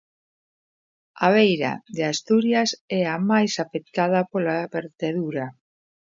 A beira de Asturias é a máis afectada pola vertedura.